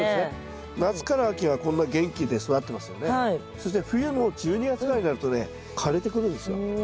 そして冬の１２月ぐらいになるとね枯れてくるんですよ。